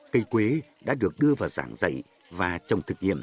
cây quế đã được đưa vào giảng dạy và trồng thực nghiệm